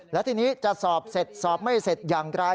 และทีนี้จะสอบเสร็จสอบไม่เสร็จอย่างไร